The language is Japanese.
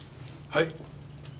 はい？